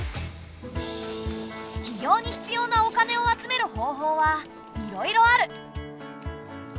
起業に必要なお金を集める方法はいろいろある。